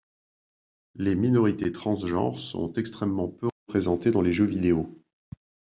Les minorités transgenres sont extrêmement peu représentées dans les jeux vidéo.